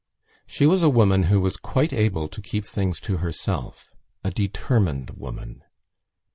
She was a woman who was quite able to keep things to herself: a determined woman.